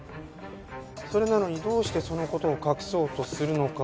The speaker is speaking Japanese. それなのにどうしてその事を隠そうとするのか。